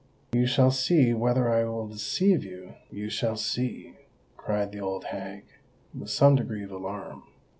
"You shall see whether I will deceive you—you shall see," cried the old hag, with some degree of alarm.